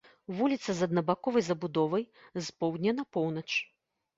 Вуліца з аднабаковай забудовай з поўдня на поўнач.